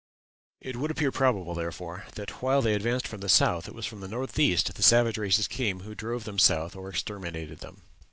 It would appear probable, therefore, that while they WALLS AT GRAN CHIMU, PERU. advanced from the south it was from the north east the savage races came who drove them south or exterminated them.